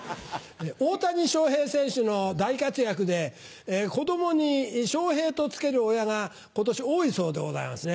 大谷翔平選手の大活躍で子供にショウヘイと付ける親が今年多いそうでございますね。